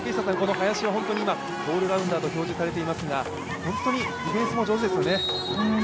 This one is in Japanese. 林は本当に今オールラウンダーと表示されていますが本当にディフェンスも上手ですよね。